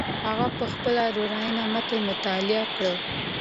هغه په خپله لورینه متن مطالعه کړ.